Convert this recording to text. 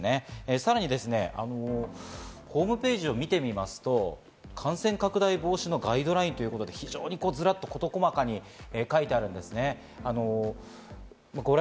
さらにホームページを見てみますと、感染拡大防止のガイドラインということで、ずらっと事細かに書いてあるんです。